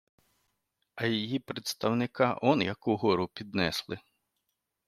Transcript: А її представника он як угору піднесли.